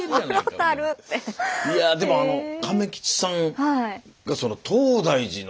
いやでもあの亀吉さんがその東大寺の。